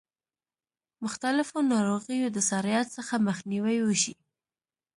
مختلفو ناروغیو د سرایت څخه مخنیوی وشي.